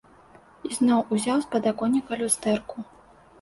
Ізноў узяў з падаконніка люстэрку.